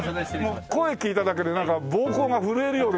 もう声聞いただけでなんか膀胱が震えるようですよ。